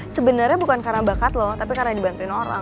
sebenernya bukan karena bakat lo tapi karena dibantuin orang